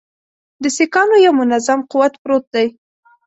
د سیکهانو یو منظم قوت پروت دی.